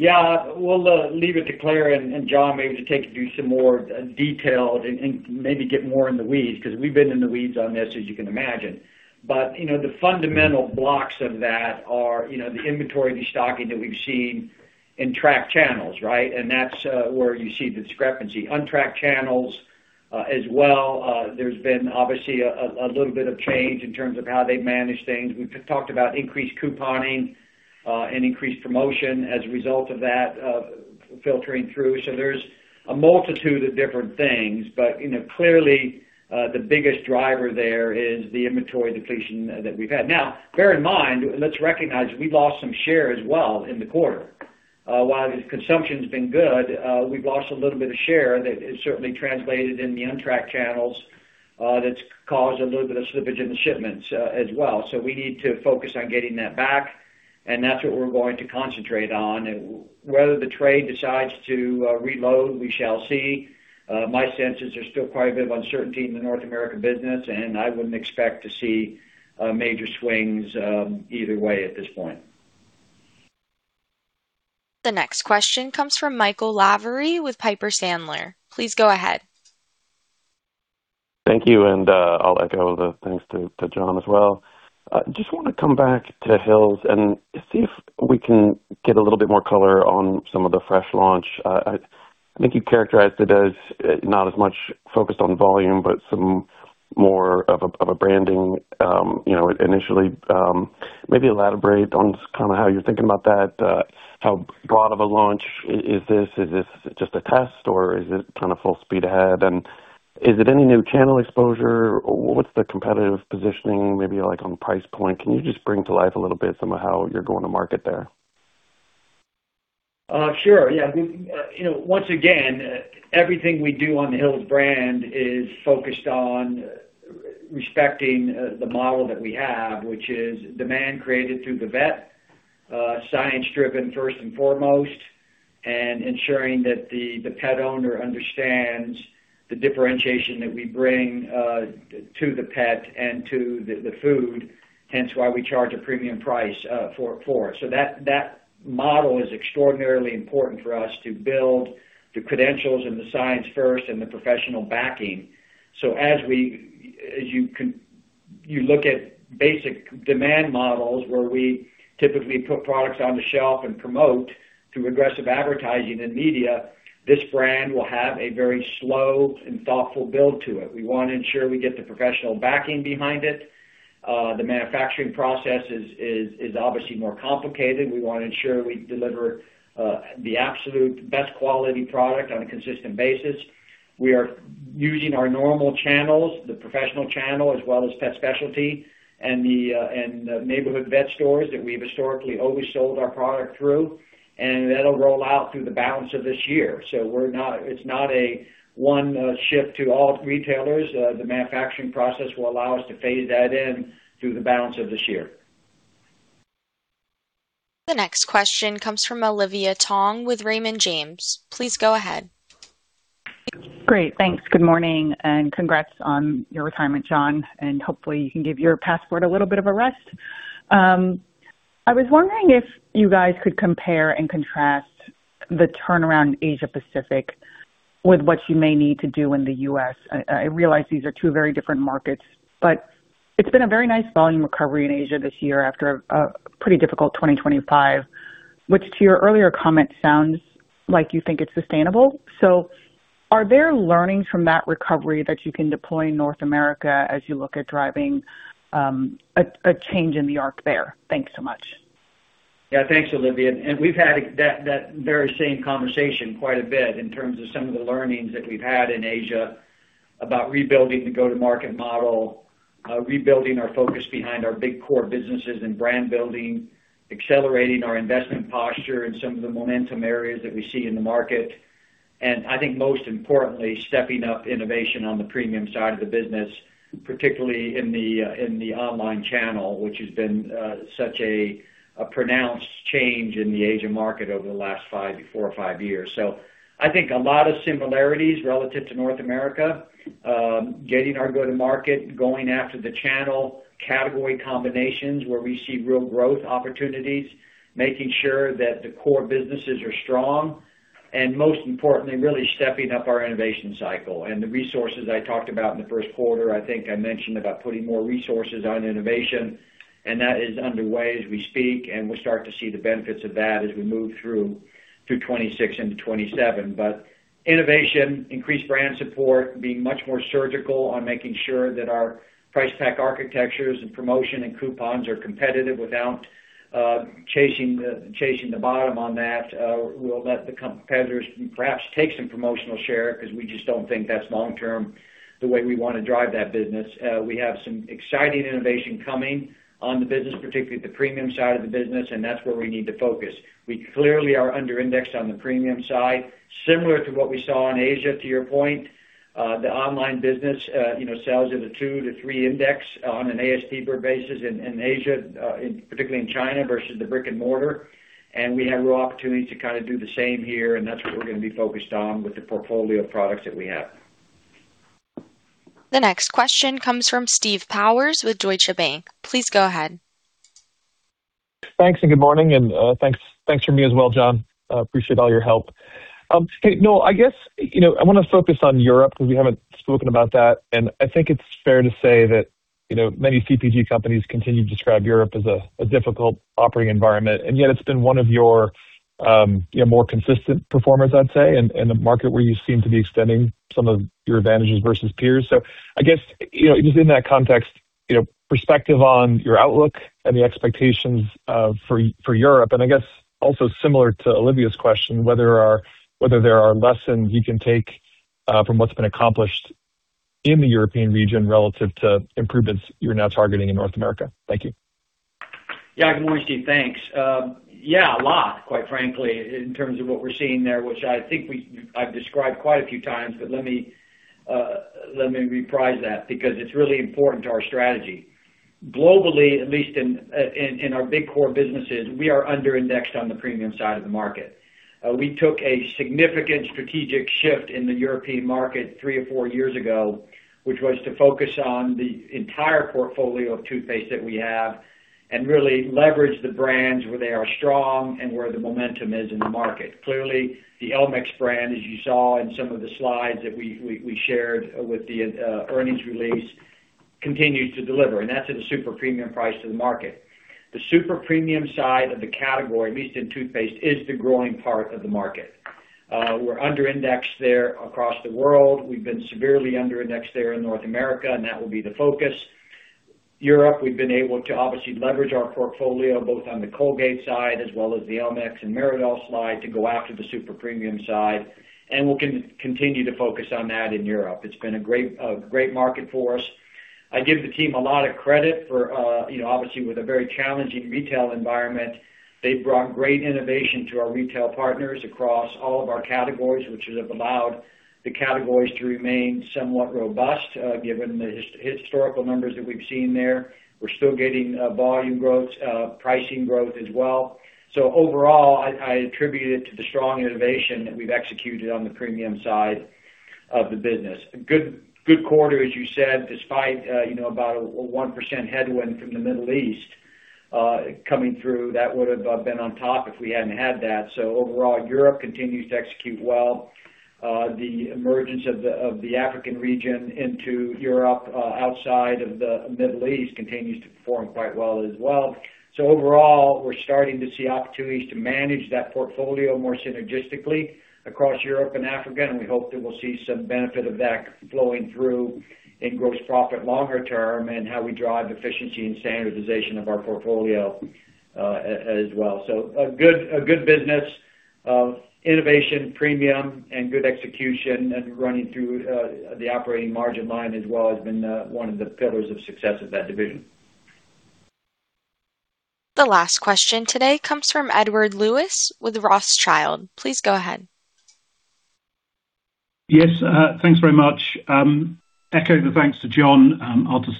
We'll leave it to Claire and John maybe to take you through some more detail and maybe get more in the weeds, because we've been in the weeds on this, as you can imagine. The fundamental blocks of that are the inventory destocking that we've seen in tracked channels, right? That's where you see the discrepancy. Untracked channels as well, there's been obviously a little bit of change in terms of how they manage things. We've talked about increased couponing and increased promotion as a result of that filtering through. There's a multitude of different things. Clearly, the biggest driver there is the inventory depletion that we've had. Now, bear in mind, let's recognize we lost some share as well in the quarter. While the consumption's been good, we've lost a little bit of share that is certainly translated in the untracked channels that's caused a little bit of slippage in the shipments as well. We need to focus on getting that back, and that's what we're going to concentrate on. Whether the trade decides to reload, we shall see. My sense is there's still quite a bit of uncertainty in the North American business, and I wouldn't expect to see major swings either way at this point. The next question comes from Michael Lavery with Piper Sandler. Please go ahead. Thank you. I'll echo the thanks to John as well. Just want to come back to Hill's and see if we can get a little bit more color on some of the fresh launch. I think you characterized it as not as much focused on volume, but some more of a branding initially. Maybe elaborate on kind of how you're thinking about that. How broad of a launch is this? Is this just a test, or is it kind of full speed ahead? Is it any new channel exposure, or what's the competitive positioning maybe like on price point? Can you just bring to life a little bit some of how you're going to market there? Sure, yeah. Once again, everything we do on the Hill's brand is focused on respecting the model that we have, which is demand created through the vet, science-driven first and foremost, and ensuring that the pet owner understands the differentiation that we bring to the pet and to the food, hence why we charge a premium price for it. That model is extraordinarily important for us to build the credentials and the science first and the professional backing. As you look at basic demand models where we typically put products on the shelf and promote through aggressive advertising and media. This brand will have a very slow and thoughtful build to it. We want to ensure we get the professional backing behind it. The manufacturing process is obviously more complicated. We want to ensure we deliver the absolute best quality product on a consistent basis. We are using our normal channels, the professional channel, as well as pet specialty and the neighborhood vet stores that we've historically always sold our product through, and that'll roll out through the balance of this year. It's not a one ship to all retailers. The manufacturing process will allow us to phase that in through the balance of this year. The next question comes from Olivia Tong with Raymond James. Please go ahead. Great. Thanks. Good morning, and congrats on your retirement, John, and hopefully you can give your passport a little bit of a rest. I was wondering if you guys could compare and contrast the turnaround in Asia Pacific with what you may need to do in the U.S. I realize these are two very different markets, but it's been a very nice volume recovery in Asia this year after a pretty difficult 2025, which, to your earlier comment, sounds like you think it's sustainable. Are there learnings from that recovery that you can deploy in North America as you look at driving a change in the arc there? Thanks so much. Thanks, Olivia, we've had that very same conversation quite a bit in terms of some of the learnings that we've had in Asia about rebuilding the go-to-market model, rebuilding our focus behind our big core businesses and brand building, accelerating our investment posture in some of the momentum areas that we see in the market, I think most importantly, stepping up innovation on the premium side of the business, particularly in the online channel, which has been such a pronounced change in the Asian market over the last four or five years. I think a lot of similarities relative to North America. Getting our go-to-market, going after the channel category combinations where we see real growth opportunities, making sure that the core businesses are strong, and most importantly, really stepping up our innovation cycle and the resources I talked about in the first quarter. I think I mentioned about putting more resources on innovation, that is underway as we speak, and we'll start to see the benefits of that as we move through to 2026 and to 2027. Innovation, increased brand support, being much more surgical on making sure that our price pack architectures and promotion and coupons are competitive without chasing the bottom on that. We'll let the competitors perhaps take some promotional share because we just don't think that's long-term the way we want to drive that business. We have some exciting innovation coming on the business, particularly the premium side of the business, and that's where we need to focus. We clearly are under-indexed on the premium side. Similar to what we saw in Asia, to your point, the online business sells at a two to three index on an ASP per basis in Asia, particularly in China versus the brick and mortar. We have real opportunity to do the same here, and that's what we're going to be focused on with the portfolio of products that we have. The next question comes from Steve Powers with Deutsche Bank. Please go ahead. Thanks and good morning, and thanks from me as well, John Faucher. I appreciate all your help. Hey, Noel, I guess, I want to focus on Europe because we haven't spoken about that, and I think it's fair to say that many CPG companies continue to describe Europe as a difficult operating environment, and yet it's been one of your more consistent performers, I'd say, in the market where you seem to be extending some of your advantages versus peers. I guess, just in that context, perspective on your outlook and the expectations for Europe, I guess also similar to Olivia Tong's question, whether there are lessons you can take from what's been accomplished in the European region relative to improvements you're now targeting in North America. Thank you. Good morning, Steve. Thanks. A lot, quite frankly, in terms of what we're seeing there, which I think I've described quite a few times, but let me reprise that because it's really important to our strategy. Globally, at least in our big core businesses, we are under indexed on the premium side of the market. We took a significant strategic shift in the European market three or four years ago, which was to focus on the entire portfolio of toothpaste that we have and really leverage the brands where they are strong and where the momentum is in the market. Clearly, the elmex brand, as you saw in some of the slides that we shared with the earnings release, continues to deliver, and that's at a super premium price to the market. The super premium side of the category, at least in toothpaste, is the growing part of the market. We're under indexed there across the world. We've been severely under indexed there in North America, that will be the focus. Europe, we've been able to obviously leverage our portfolio both on the Colgate side as well as the elmex and meridol side to go after the super premium side, and we'll continue to focus on that in Europe. It's been a great market for us. I give the team a lot of credit for, obviously with a very challenging retail environment, they've brought great innovation to our retail partners across all of our categories, which have allowed the categories to remain somewhat robust given the historical numbers that we've seen there. We're still getting volume growth, pricing growth as well. Overall, I attribute it to the strong innovation that we've executed on the premium side of the business. A good quarter, as you said, despite about a 1% headwind from the Middle East. Coming through, that would have been on top if we hadn't had that. Overall, Europe continues to execute well. The emergence of the African region into Europe, outside of the Middle East, continues to perform quite well as well. Overall, we're starting to see opportunities to manage that portfolio more synergistically across Europe and Africa, and we hope that we'll see some benefit of that flowing through in gross profit longer term and how we drive efficiency and standardization of our portfolio as well. A good business of innovation, premium, and good execution and running through the operating margin line as well has been one of the pillars of success of that division. The last question today comes from Edward Lewis with Rothschild. Please go ahead. Yes. Thanks very much. Echo the thanks to John.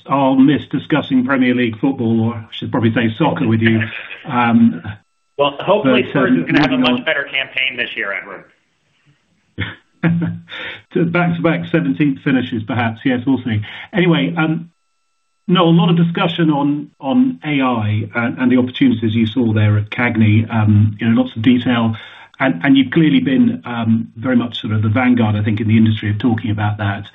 I'll miss discussing Premier League football, or I should probably say soccer, with you. Well, hopefully Spurs are going to have a much better campaign this year, Edward. Back-to-back 17th finishes, perhaps. Yes, we'll see. Anyway, Noel, a lot of discussion on AI and the opportunities you saw there at CAGNY, lots of detail. You've clearly been very much sort of the vanguard, I think, in the industry of talking about that.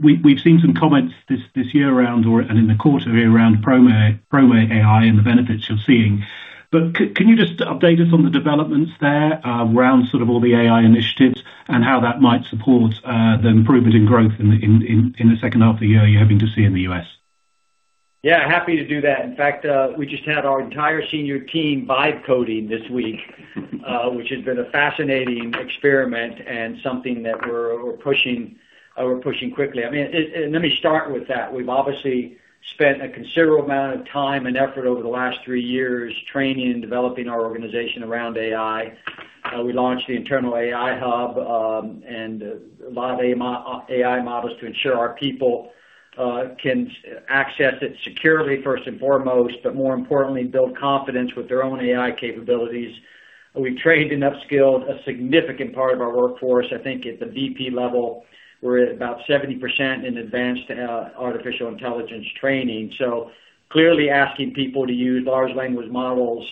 We've seen some comments this year around, and in the quarter here, around Promo AI and the benefits you're seeing. Can you just update us on the developments there around sort of all the AI initiatives and how that might support the improvement in growth in the second half of the year you're hoping to see in the U.S.? Yeah, happy to do that. In fact, we just had our entire senior team vibe coding this week which has been a fascinating experiment and something that we're pushing quickly. Let me start with that. We've obviously spent a considerable amount of time and effort over the last three years training and developing our organization around AI. We launched the internal AI hub, and a lot of AI models to ensure our people can access it securely, first and foremost, but more importantly, build confidence with their own AI capabilities. We trained and upskilled a significant part of our workforce. I think at the VP level, we're at about 70% in advanced artificial intelligence training. Clearly asking people to use large language models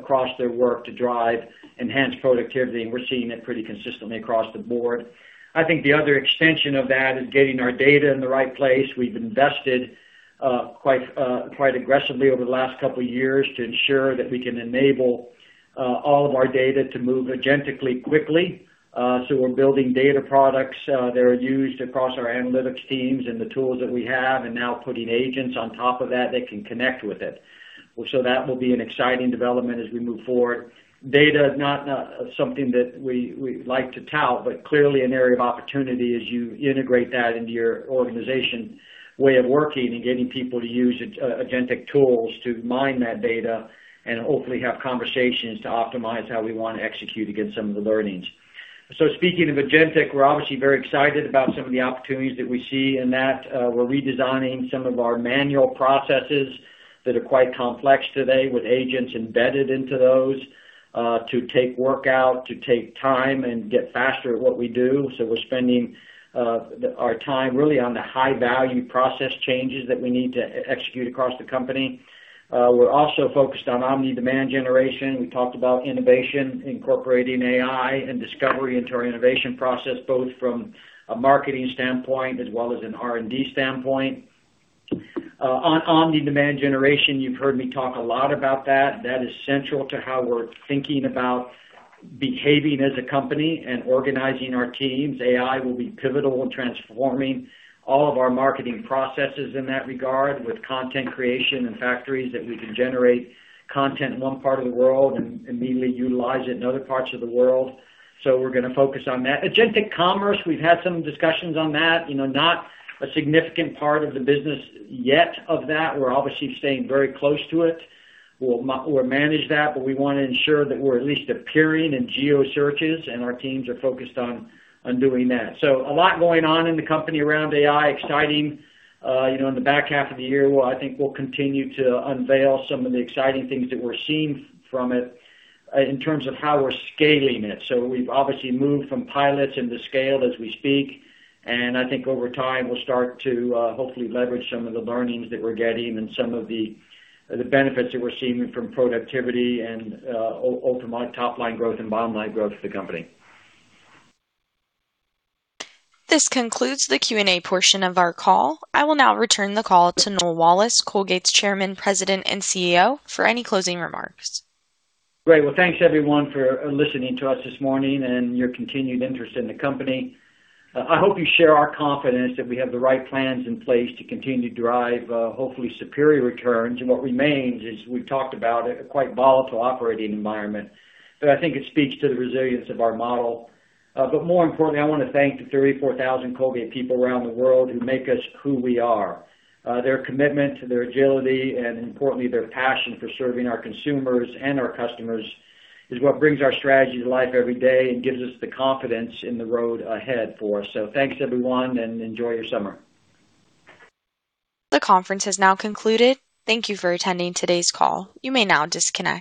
across their work to drive enhanced productivity, and we're seeing it pretty consistently across the board. I think the other extension of that is getting our data in the right place. We've invested quite aggressively over the last couple of years to ensure that we can enable all of our data to move agentically quickly. We're building data products that are used across our analytics teams and the tools that we have, and now putting agents on top of that that can connect with it. That will be an exciting development as we move forward. Data is not something that we like to tout, but clearly an area of opportunity as you integrate that into your organization way of working and getting people to use agentic tools to mine that data and hopefully have conversations to optimize how we want to execute against some of the learnings. Speaking of agentic, we're obviously very excited about some of the opportunities that we see in that. We're redesigning some of our manual processes that are quite complex today with agents embedded into those, to take work out, to take time, and get faster at what we do. We're spending our time really on the high-value process changes that we need to execute across the company. We're also focused on omni-demand generation. We talked about innovation, incorporating AI and discovery into our innovation process, both from a marketing standpoint as well as an R&D standpoint. On omni-demand generation, you've heard me talk a lot about that. That is central to how we're thinking about behaving as a company and organizing our teams. AI will be pivotal in transforming all of our marketing processes in that regard with content creation and factories that we can generate content in one part of the world and immediately utilize it in other parts of the world. We're going to focus on that. Agentic commerce, we've had some discussions on that. Not a significant part of the business yet of that. We're obviously staying very close to it. We'll manage that, but we want to ensure that we're at least appearing in geo searches, and our teams are focused on doing that. A lot going on in the company around AI, exciting. In the back half of the year, I think we'll continue to unveil some of the exciting things that we're seeing from it in terms of how we're scaling it. We've obviously moved from pilots into scale as we speak, and I think over time, we'll start to hopefully leverage some of the learnings that we're getting and some of the benefits that we're seeing from productivity and ultimate top-line growth and bottom-line growth for the company. This concludes the Q&A portion of our call. I will now return the call to Noel Wallace, Colgate's Chairman, President, and CEO, for any closing remarks. Great. Well, thanks everyone for listening to us this morning and your continued interest in the company. I hope you share our confidence that we have the right plans in place to continue to drive hopefully superior returns in what remains is, we've talked about it, a quite volatile operating environment. I think it speaks to the resilience of our model. More importantly, I want to thank the 34,000 Colgate people around the world who make us who we are. Their commitment, their agility, and importantly, their passion for serving our consumers and our customers is what brings our strategy to life every day and gives us the confidence in the road ahead for us. Thanks, everyone, and enjoy your summer. The conference has now concluded. Thank you for attending today's call. You may now disconnect.